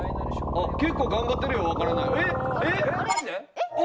結構頑張ってるよ「わからない」。え！